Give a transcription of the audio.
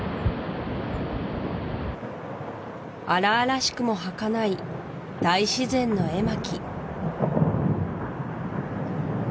荒々しくも儚い大自然の絵巻